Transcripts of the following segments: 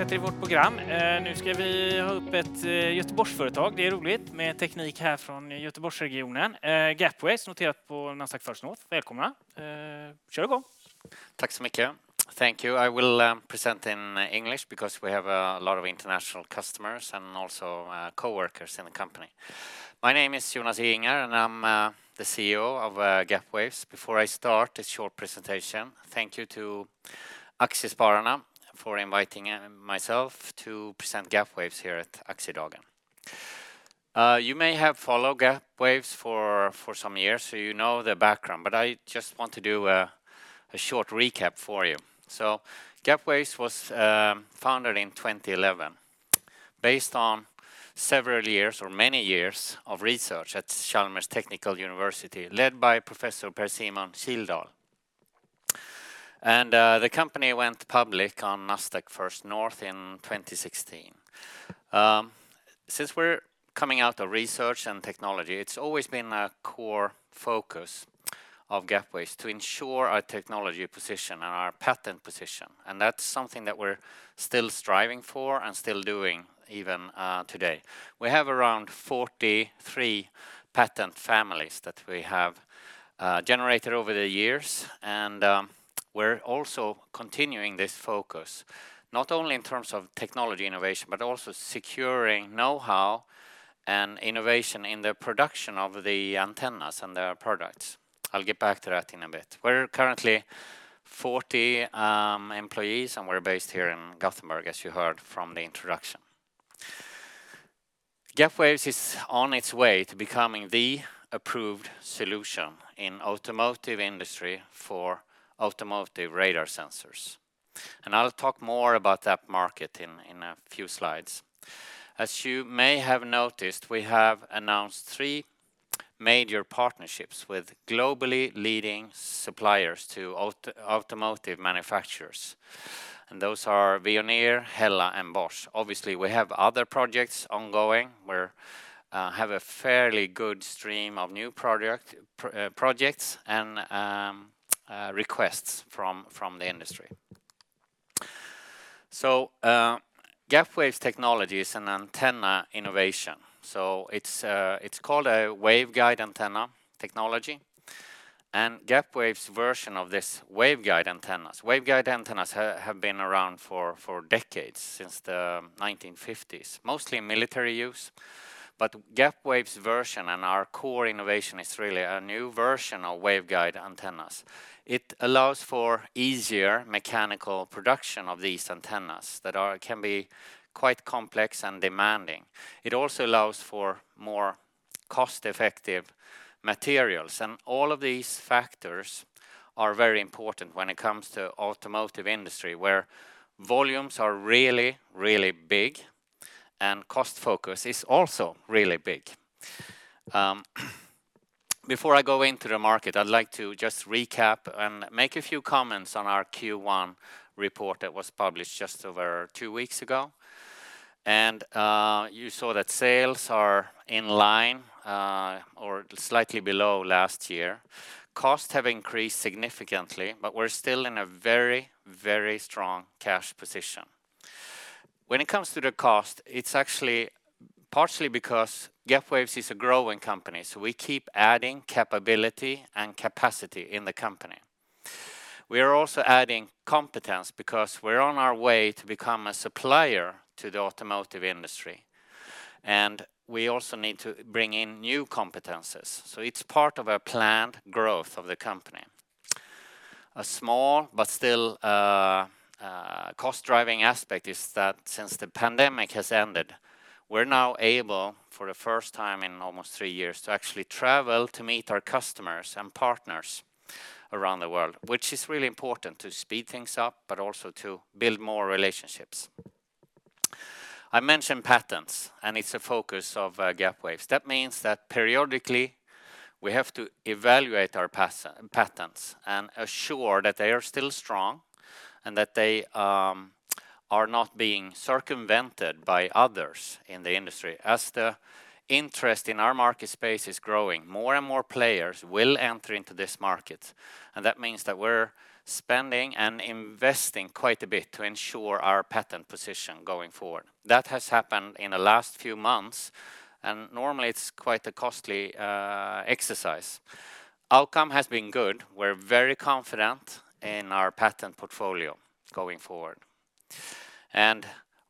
Hej, vi fortsätter i vårt program. Nu ska vi ha upp ett Göteborgsföretag. Det är roligt med teknik här från Göteborgsregionen. Gapwaves, noterat på Nasdaq First North. Välkomna. Kör igång. Tack så mycket. Thank you. I will present in English because we have a lot of international customers and also coworkers in the company. My name is Jonas Ehinger and I'm the CEO of Gapwaves. Before I start a short presentation, thank you to Aktiespararna for inviting myself to present Gapwaves here at Aktiedagen. You may have followed Gapwaves for some years, so you know the background, but I just want to do a short recap for you. Gapwaves was founded in 2011 based on several years or many years of research at Chalmers University of Technology, led by Professor Per-Simon Kildal. The company went public on Nasdaq First North in 2016. Since we're coming out of research and technology, it's always been a core focus of Gapwaves to ensure our technology position and our patent position. That's something that we're still striving for and still doing even today. We have around 43 patent families that we have generated over the years. We're also continuing this focus, not only in terms of technology innovation, but also securing know-how and innovation in the production of the antennas and their products. I'll get back to that in a bit. We're currently 40 employees, and we're based here in Gothenburg, as you heard from the introduction. Gapwaves is on its way to becoming the approved solution in automotive industry for automotive radar sensors. I'll talk more about that market in a few slides. As you may have noticed, we have announced three major partnerships with globally leading suppliers to automotive manufacturers. Those are Veoneer, Hella, and Bosch. Obviously, we have other projects ongoing. We're have a fairly good stream of new projects and requests from the industry. Gapwaves technology is an antenna innovation. It's called a waveguide antenna technology, and Gapwaves version of this waveguide antennas. Waveguide antennas have been around for decades, since the 1950s, mostly military use. Gapwaves version and our core innovation is really a new version of waveguide antennas. It allows for easier mechanical production of these antennas that can be quite complex and demanding. It also allows for more cost-effective materials. All of these factors are very important when it comes to automotive industry, where volumes are really big, and cost focus is also really big. Before I go into the market, I'd like to just recap and make a few comments on our Q1 report that was published just over two weeks ago. You saw that sales are in line or slightly below last year. Costs have increased significantly, but we're still in a very strong cash position. When it comes to the cost, it's actually partially because Gapwaves is a growing company, so we keep adding capability and capacity in the company. We are also adding competence because we're on our way to become a supplier to the automotive industry, and we also need to bring in new competences. It's part of a planned growth of the company. A small but still cost-driving aspect is that since the pandemic has ended, we're now able, for the first time in almost three years, to actually travel to meet our customers and partners around the world, which is really important to speed things up, but also to build more relationships. I mentioned patents, and it's a focus of Gapwaves. That means that periodically, we have to evaluate our patents and assure that they are still strong and that they are not being circumvented by others in the industry. As the interest in our market space is growing, more and more players will enter into this market. That means that we're spending and investing quite a bit to ensure our patent position going forward. That has happened in the last few months, and normally, it's quite a costly exercise. Outcome has been good. We're very confident in our patent portfolio going forward.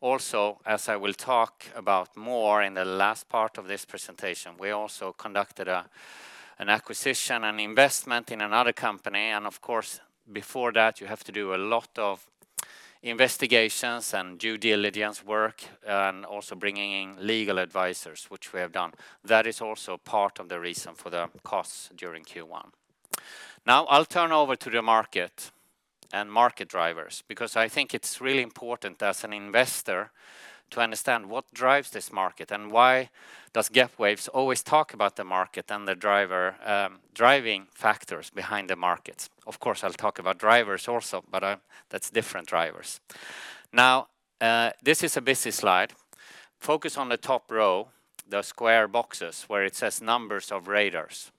Also, as I will talk about more in the last part of this presentation, we also conducted an acquisition and investment in another company. Of course, before that, you have to do a lot of investigations and due diligence work and also bringing in legal advisors, which we have done. That is also part of the reason for the costs during Q1. I'll turn over to the market and market drivers, because I think it's really important as an investor to understand what drives this market and why does Gapwaves always talk about the market and the driver, driving factors behind the markets. Of course, I'll talk about drivers also, but that's different drivers. This is a busy slide. Focus on the top row, the square boxes where it says numbers of radars.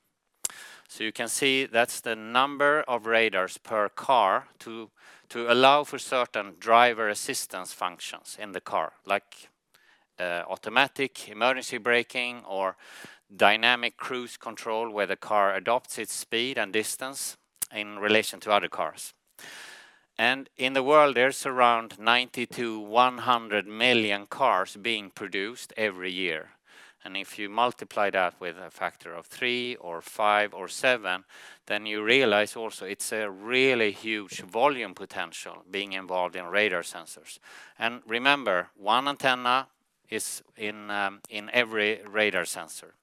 You can see that's the number of radars per car to allow for certain driver assistance functions in the car, like Automatic Emergency Braking or Dynamic Cruise Control, where the car adopts its speed and distance in relation to other cars. In the world, there's around 90 million-100 million cars being produced every year. If you multiply that with a factor of three or five or seven, you realize also it's a really huge volume potential being involved in radar sensors. Remember, one antenna is in every radar sensor.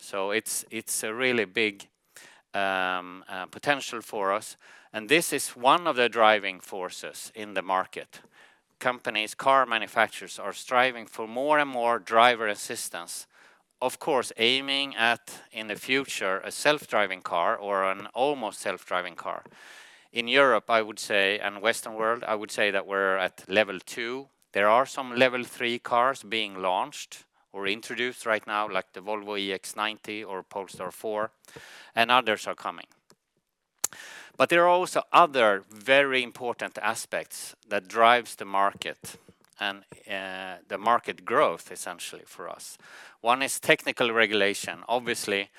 It's a really big potential for us. This is one of the driving forces in the market. Companies, car manufacturers are striving for more and more driver assistance, of course, aiming at, in the future, a self-driving car or an almost self-driving car. In Europe, and Western world, I would say that we're at Level two. There are some Level three cars being launched or introduced right now, like the Volvo EX90 or Polestar 4, others are coming. There are also other very important aspects that drives the market and the market growth, essentially for us. One is technical regulation. Obviously,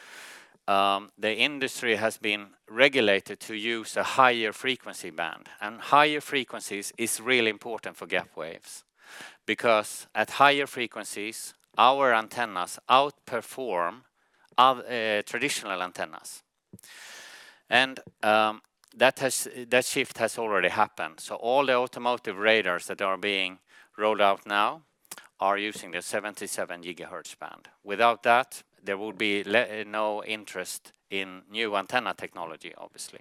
the industry has been regulated to use a higher frequency band, higher frequencies is really important for Gapwaves. At higher frequencies, our antennas outperform traditional antennas. That shift has already happened. All the automotive radars that are being rolled out now are using the 77 GHz band. Without that, there will be no interest in new antenna technology, obviously.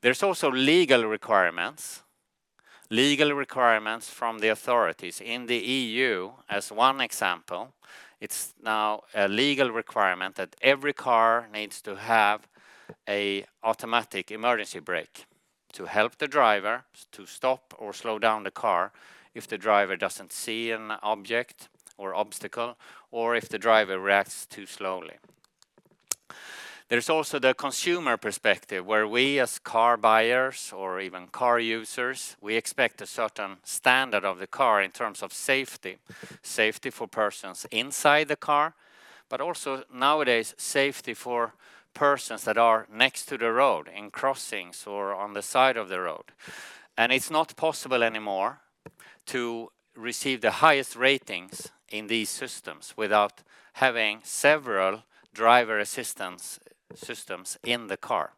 There's also legal requirements from the authorities. In the E.U., as one example, it's now a legal requirement that every car needs to have a automatic emergency brake to help the driver to stop or slow down the car if the driver doesn't see an object or obstacle or if the driver reacts too slowly. There's also the consumer perspective, where we, as car buyers or even car users, we expect a certain standard of the car in terms of safety for persons inside the car, but also nowadays, safety for persons that are next to the road, in crossings or on the side of the road. It's not possible anymore to receive the highest ratings in these systems without having several driver assistance systems in the car.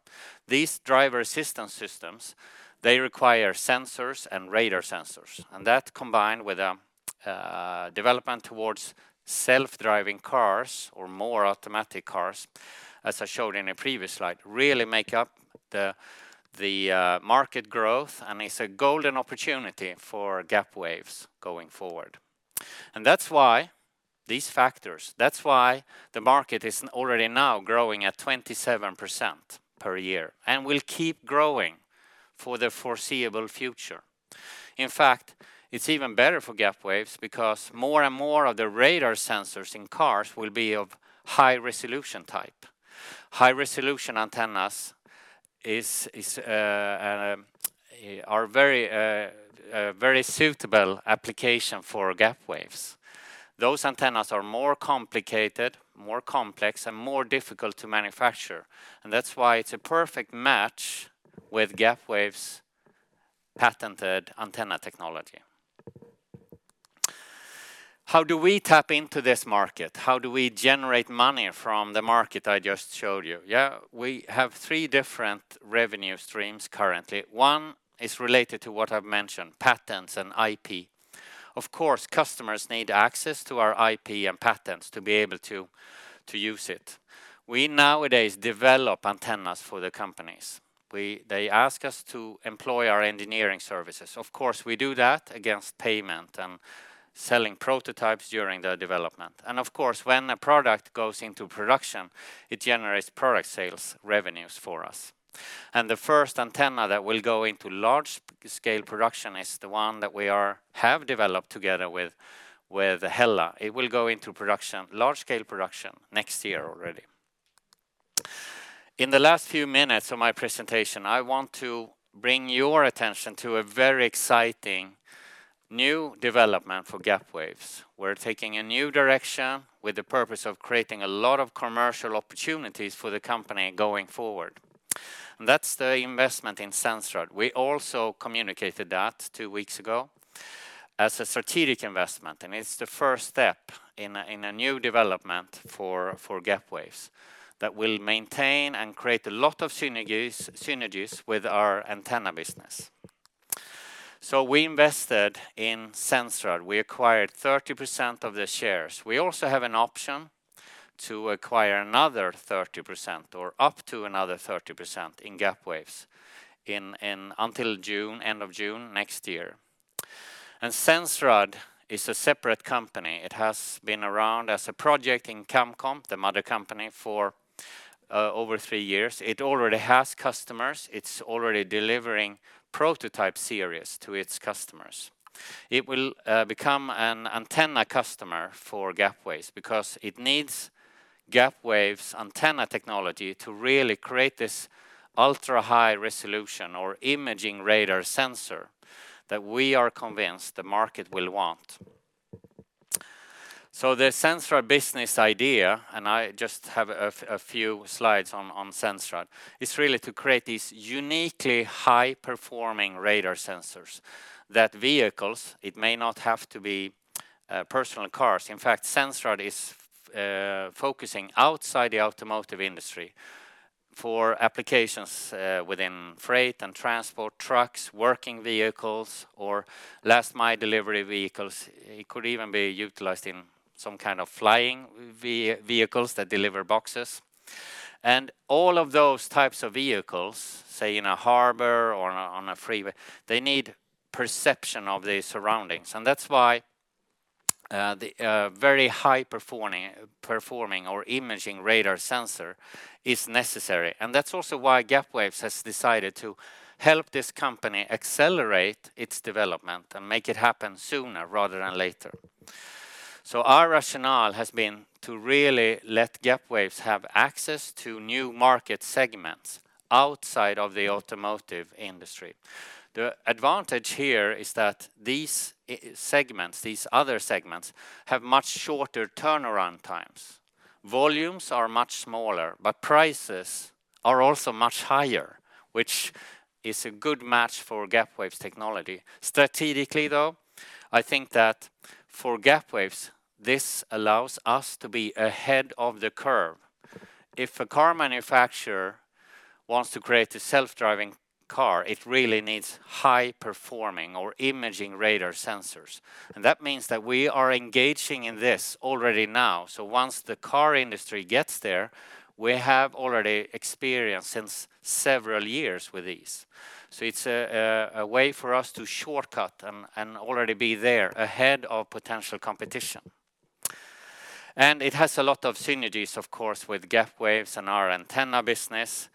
These driver assistance systems, they require sensors and radar sensors. That combined with development towards self-driving cars or more automatic cars, as I showed in a previous slide, really make up the market growth and is a golden opportunity for Gapwaves going forward. That's why these factors, that's why the market is already now growing at 27% per year and will keep growing for the foreseeable future. In fact, it's even better for Gapwaves because more and more of the radar sensors in cars will be of high-resolution type. High-resolution antennas are very, very suitable application for Gapwaves. Those antennas are more complicated, more complex, and more difficult to manufacture. That's why it's a perfect match with Gapwaves' patented antenna technology. How do we tap into this market? How do we generate money from the market I just showed you? Yeah, we have three different revenue streams currently. One is related to what I've mentioned, patents and IP. Customers need access to our IP and patents to be able to use it. They ask us to employ our engineering services. We do that against payment and selling prototypes during their development. When a product goes into production, it generates product sales revenues for us. The first antenna that will go into large-scale production is the one that we have developed together with Hella. It will go into production, large-scale production next year already. In the last few minutes of my presentation, I want to bring your attention to a very exciting new development for Gapwaves. We're taking a new direction with the purpose of creating a lot of commercial opportunities for the company going forward. That's the investment in Sensrad. We also communicated that two weeks ago as a strategic investment, and it's the first step in a new development for Gapwaves that will maintain and create a lot of synergies with our antenna business. We invested in Sensrad. We acquired 30% of the shares. We also have an option to acquire another 30% or up to another 30% in Gapwaves until June, end of June next year. Sensrad is a separate company. It has been around as a project in Qamcom, the mother company, for over three years. It already has customers. It's already delivering prototype series to its customers. It will become an antenna customer for Gapwaves because it needs Gapwaves' antenna technology to really create this ultra-high-resolution or imaging radar sensor that we are convinced the market will want. The Sensrad business idea, and I just have a few slides on Sensrad, is really to create these uniquely high performing radar sensors that vehicles, it may not have to be personal cars. In fact, Sensrad is focusing outside the automotive industry for applications within freight and transport trucks, working vehicles, or last mile delivery vehicles. It could even be utilized in some kind of flying vehicles that deliver boxes. All of those types of vehicles, say in a harbor or on a freeway, they need perception of the surroundings. That's why the very high performing or imaging radar sensor is necessary. That's also why Gapwaves has decided to help this company accelerate its development and make it happen sooner rather than later. Our rationale has been to really let Gapwaves have access to new market segments outside of the automotive industry. The advantage here is that these segments, these other segments, have much shorter turnaround times. Volumes are much smaller, but prices are also much higher, which is a good match for Gapwaves' technology. Strategically, though, I think that for Gapwaves, this allows us to be ahead of the curve. If a car manufacturer wants to create a self-driving car, it really needs high-resolution or imaging radar sensors. That means that we are engaging in this already now. Once the car industry gets there, we have already experience since several years with these. It's a way for us to shortcut and already be there ahead of potential competition. It has a lot of synergies, of course, with Gapwaves and our antenna business.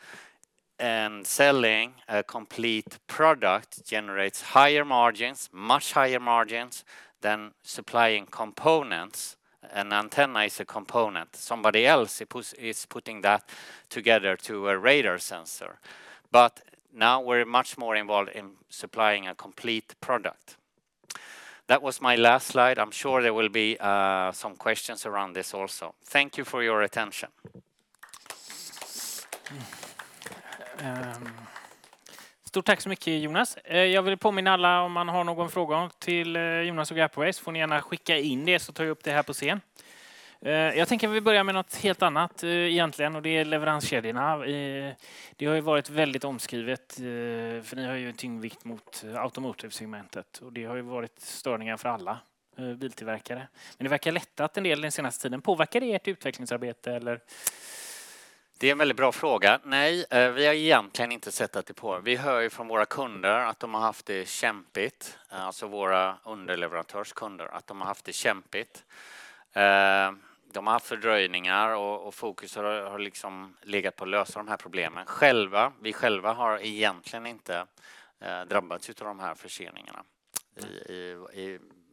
Selling a complete product generates higher margins, much higher margins, than supplying components. An antenna is a component. Somebody else is putting that together to a radar sensor. Now we're much more involved in supplying a complete product. That was my last slide. I'm sure there will be some questions around this also. Thank you for your attention. Stort tack så mycket, Jonas. Jag vill påminna alla om man har någon fråga till, Jonas och Gapwaves får ni gärna skicka in det så tar jag upp det här på scen. Jag tänker vi börjar med något helt annat, egentligen, och det är leveranskedjorna. Det har ju varit väldigt omskrivet, för ni har ju en tyngdvikt mot automotive-segmentet och det har ju varit störningar för alla, biltillverkare. Det verkar lättat en del den senaste tiden. Påverkar det ert utvecklingsarbete, eller? Det är en väldigt bra fråga. Nej, vi har egentligen inte sett att det vi hör ju från våra kunder att de har haft det kämpigt, alltså våra underleverantörs kunder, att de har haft det kämpigt. De har haft fördröjningar och fokus har liksom legat på att lösa de här problemen. Själva, vi själva har egentligen inte drabbats utav de här förseningarna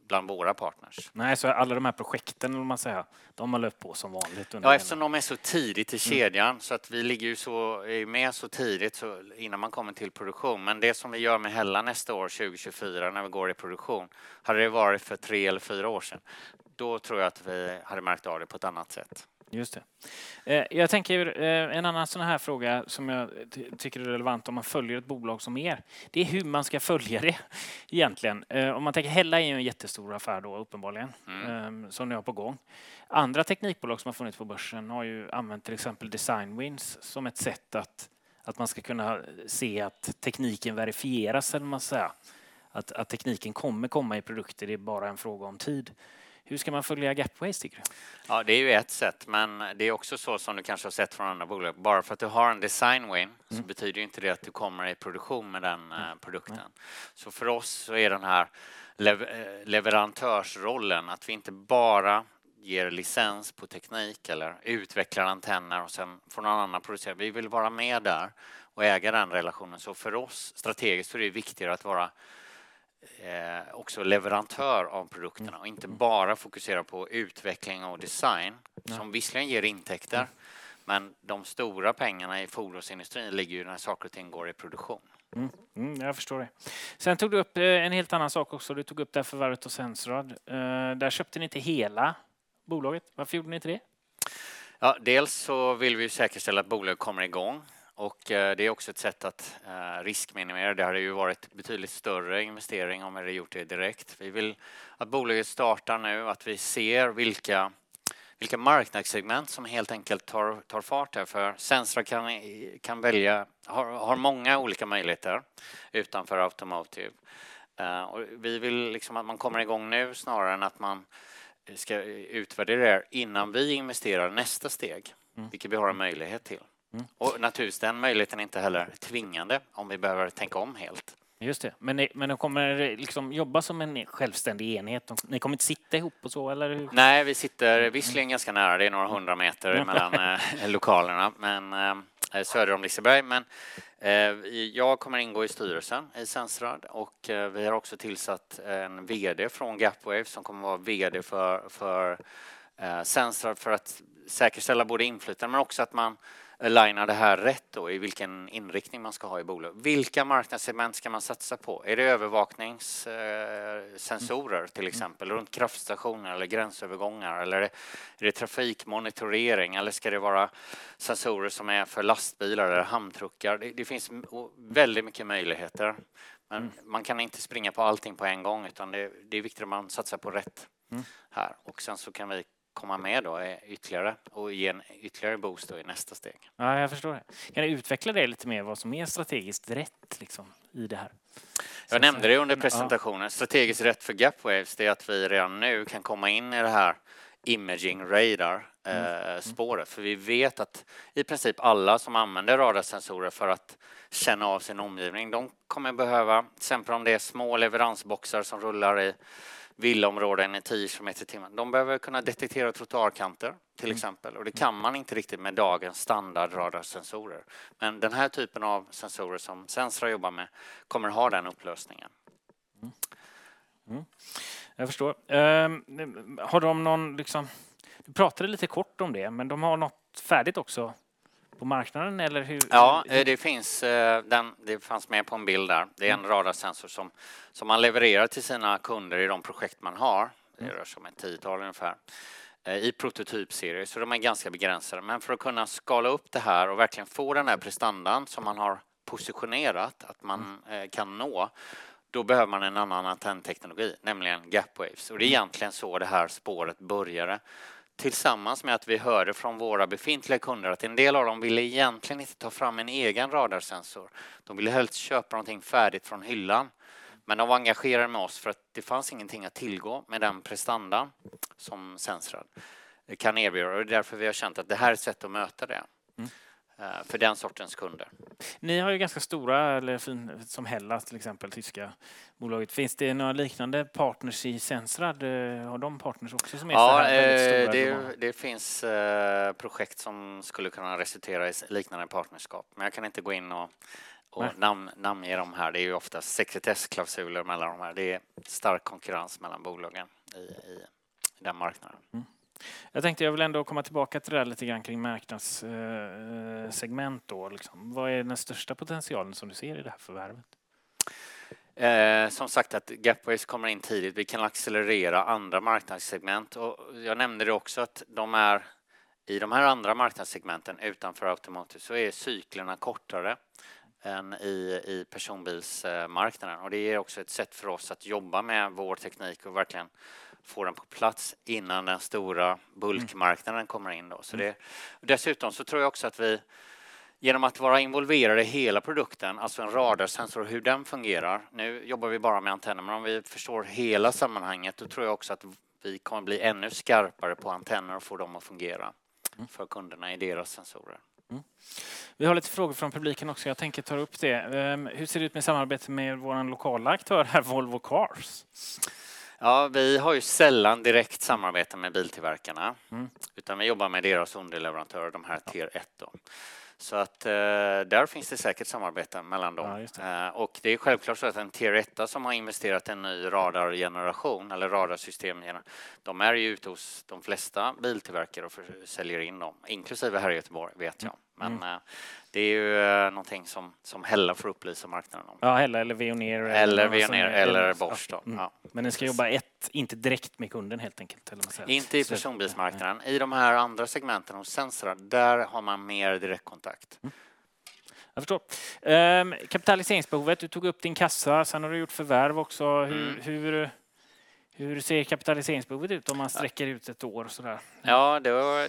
bland våra partners. Nej, alla de här projekten, om man säger, de har löpt på som vanligt. Eftersom de är så tidigt i kedjan. Vi ligger ju är med så tidigt så innan man kommer till produktion. Det som vi gör med Hella nästa år, 2024, när vi går i produktion, hade det varit för tre eller fyra år sedan. Tror jag att vi hade märkt av det på ett annat sätt. Just det. jag tänker, en annan sådan här fråga som jag tycker är relevant om man följer ett bolag som er, det är hur man ska följa det egentligen. om man tänker Hella är ju en jättestor affär då uppenbarligen. Mm. Som ni har på gång. Andra teknikbolag som har funnits på börsen har ju använt till exempel design wins som ett sätt att man ska kunna se att tekniken verifieras, eller om man säger. Att tekniken kommer komma i produkter. Det är bara en fråga om tid. Hur ska man följa Gapwaves tycker du? Det är ju ett sätt, men det är också så som du kanske har sett från andra bolag. Bara för att du har en design win, så betyder ju inte det att du kommer i produktion med den produkten. För oss så är den här leverantörsrollen att vi inte bara ger licens på teknik eller utvecklar antenner och sedan får någon annan producera. Vi vill vara med där och äga den relationen. För oss strategiskt så är det viktigare att vara också leverantör av produkterna och inte bara fokusera på utveckling och design- Mm. -som visserligen ger intäkter. De stora pengarna i fordonsindustrin ligger ju när saker och ting går i produktion. Jag förstår det. Tog du upp en helt annan sak också. Du tog upp det här förvärvet av Sensrad. Där köpte ni inte hela bolaget. Varför gjorde ni inte det? Dels så vill vi säkerställa att bolag kommer i gång och det är också ett sätt att riskminimera. Det hade ju varit betydligt större investering om vi hade gjort det direkt. Vi vill att bolaget startar nu, att vi ser vilka marknadssegment som helt enkelt tar fart där. Sensrad kan välja, har många olika möjligheter utanför Automotive. Vi vill liksom att man kommer i gång nu snarare än att man ska utvärdera det här innan vi investerar nästa steg, vilket vi har en möjlighet till. Naturligtvis, den möjligheten är inte heller tvingande om vi behöver tänka om helt. Just det. De kommer liksom jobba som en självständig enhet. Ni kommer inte sitta ihop och så eller? Nej, vi sitter visserligen ganska nära. Det är några 100 meter mellan lokalerna. Söder om Liseberg. Jag kommer ingå i styrelsen i Sensrad och vi har också tillsatt en vd från Gapwaves som kommer vara vd för Sensrad för att säkerställa både inflytande men också att man line:ar det här rätt då i vilken inriktning man ska ha i bolag. Vilka marknadssegment ska man satsa på? Är det övervakningssensorer till exempel runt kraftstationer eller gränsövergångar? Är det trafikmonitorering? Ska det vara sensorer som är för lastbilar eller hamntruckar? Det finns väldigt mycket möjligheter. Man kan inte springa på allting på en gång, utan det är viktigt att man satsar på rätt här. Sen så kan vi komma med då ytterligare och ge en ytterligare boost då i nästa steg. Jag förstår det. Kan du utveckla det lite mer vad som är strategiskt rätt liksom i det här? Jag nämnde det under presentationen. Strategiskt rätt för Gapwaves, det är att vi redan nu kan komma in i det här imaging radar-spåret. Vi vet att i princip alla som använder radarsensorer för att känna av sin omgivning, de kommer att behöva, exempel om det är små leveransboxar som rullar i villaområden i 10 km i timmen. De behöver kunna detektera trottoarkanter till exempel, och det kan man inte riktigt med dagens standardradarsensorer. Den här typen av sensorer som Sensrad jobbar med kommer att ha den upplösningen. Mm. Jag förstår. Har de någon liksom... Du pratade lite kort om det, men de har något färdigt också på marknaden eller hur? Det finns. Det fanns med på en bild där. Det är en radarsensor som man levererar till sina kunder i de projekt man har. Det rör sig om ett 10-tal ungefär. I prototype series, de är ganska begränsade. För att kunna skala upp det här och verkligen få den här prestandan som man har positionerat att man kan nå, då behöver man en annan antennteknologi, nämligen Gapwaves. Det är egentligen så det här spåret började. Tillsammans med att vi hörde från våra befintliga kunder att en del av dem ville egentligen inte ta fram en egen radarsensor. De ville helst köpa någonting färdigt från hyllan, de var engagerade med oss för att det fanns ingenting att tillgå med den prestanda som Sensrad kan erbjuda. Det är därför vi har känt att det här är ett sätt att möta det för den sortens kunder. Ni har ju ganska stora, som Hella till exempel, tyska bolaget. Finns det några liknande partners i Sensrad? Har de partners också som är väldigt stora? Ja, det finns projekt som skulle kunna resultera i liknande partnerskap. Jag kan inte gå in och namnge dem här. Det är ju oftast sekretessklausuler mellan de här. Det är stark konkurrens mellan bolagen i den marknaden. Jag tänkte jag vill ändå komma tillbaka till det där lite grann kring marknadssegment då. Vad är den största potentialen som du ser i det här förvärvet? Som sagt, att Gapwaves kommer in tidigt. Vi kan accelerera andra marknadssegment. Jag nämnde det också att de är i de här andra marknadssegmenten utanför Automotive så är cyklerna kortare än i personbilsmarknaden. Det ger också ett sätt för oss att jobba med vår teknik och verkligen få den på plats innan den stora bulkmarknaden kommer in då. Dessutom tror jag också att vi genom att vara involverade i hela produkten, alltså en radarsensor och hur den fungerar. Nu jobbar vi bara med antenner, men om vi förstår hela sammanhanget, då tror jag också att vi kommer bli ännu skarpare på antenner och få dem att fungera för kunderna i deras sensorer. Vi har lite frågor från publiken också. Jag tänker ta upp det. Hur ser det ut med samarbetet med vår lokala aktör här, Volvo Cars? Ja, vi har ju sällan direkt samarbete med biltillverkarna. Mm. Utan vi jobbar med deras underleverantörer, de här Tier 1 då. Där finns det säkert samarbeten mellan dem. Ja, just det. Det är självklart så att en Tier 1 som har investerat i en ny radargeneration eller radarsystem, de är ju ute hos de flesta biltillverkare och säljer in dem, inklusive här i Gothenburg vet jag. Det är ju någonting som Hella får upplysa marknaden om. Ja, Hella eller Veoneer. Veoneer eller Bosch då. Ni ska jobba ett, inte direkt med kunden helt enkelt. Inte i personbilsmarknaden. I de här andra segmenten hos Sensrad, där har man mer direktkontakt. Jag förstår. Kapitaliseringsbehovet, du tog upp din kassa, sen har du gjort förvärv också. Hur ser kapitaliseringsbehovet ut om man sträcker ut ett år sådär? Ja,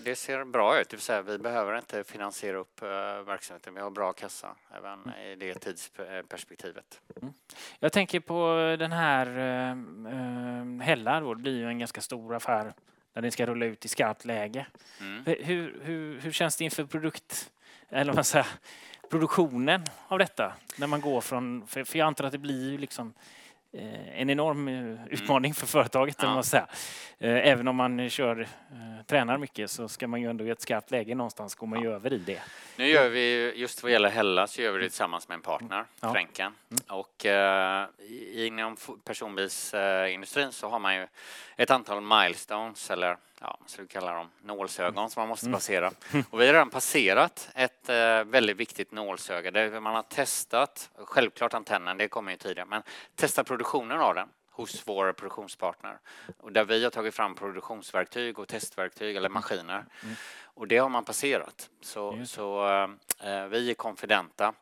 det ser bra ut. Det vill säga, vi behöver inte finansiera upp verksamheten. Vi har bra kassa även i det tidsperspektivet. Jag tänker på den här Hella då. Det blir ju en ganska stor affär när den ska rulla ut i skarpt läge. Hur känns det inför produkt eller vad man säger, produktionen av detta? När man går från. För jag antar att det blir liksom en enorm utmaning för företaget eller vad man säger. Även om man kör, tränar mycket så ska man ju ändå i ett skarpt läge någonstans gå över i det. Nu gör vi just vad gäller Hella så gör vi det tillsammans med en partner, Frencken. Inom personbilsindustrin så har man ju ett antal milestones eller ja, ska vi kalla dem nålsögon som man måste passera. Vi har redan passerat ett väldigt viktigt nålsöga. Man har testat, självklart antennen, det kommer ju tidigare, men testat produktionen av den hos vår produktionspartner. Där vi har tagit fram produktionsverktyg och testverktyg eller maskiner. Det har man passerat. Vi är konfidenta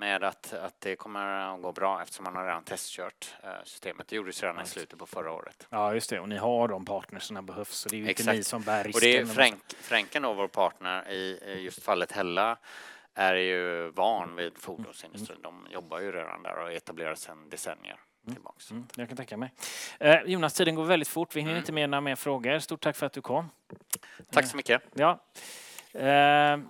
med att det kommer att gå bra eftersom man har redan testkört systemet. Det gjorde ju redan i slutet på förra året. Ja just det, ni har de partners när behövs. Det är ju inte ni som bär risken. Exakt. Det är Frencken då, vår partner i just fallet Hella, är ju van vid fordonsindustrin. De jobbar ju redan där och är etablerade sedan decennier tillbaks. Det kan jag tänka mig. Jonas, tiden går väldigt fort. Vi hinner inte med några mer frågor. Stort tack för att du kom. Tack så mycket! Ja.